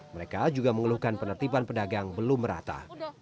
mereka juga mengeluhkan penertiban pedagang belum merata